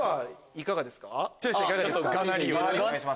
いかがですか？